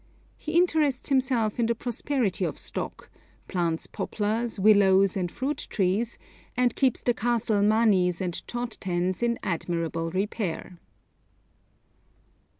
He interests himself in the prosperity of Stok, plants poplars, willows, and fruit trees, and keeps the castle manis and chod tens in admirable repair.